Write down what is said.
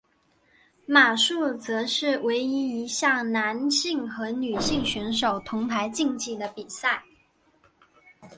马术则是唯一一项男性和女性选手同台竞技的比赛。